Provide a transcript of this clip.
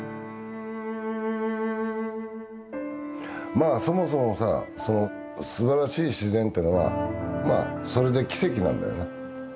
まあそもそもさそのすばらしい自然ってのはまあそれで奇跡なんだよね。